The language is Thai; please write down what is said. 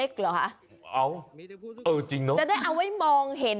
ก่อน